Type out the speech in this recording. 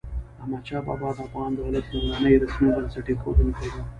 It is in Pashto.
احمد شاه بابا د افغان دولت لومړنی رسمي بنسټ اېښودونکی و.